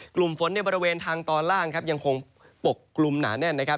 กลุ่มฝนในบริเวณทางตอนล่างครับยังคงปกกลุ่มหนาแน่นนะครับ